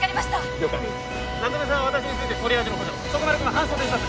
了解夏梅さんは私についてトリアージの補助徳丸君は搬送を手伝って！